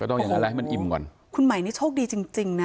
ต้องอย่างงั้นแล้วให้มันอิ่มก่อนคุณใหม่นี่โชคดีจริงจริงนะ